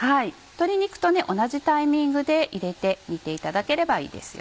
鶏肉と同じタイミングで入れて煮ていただければいいです。